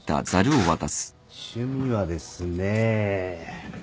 趣味はですね。